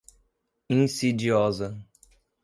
insidiosa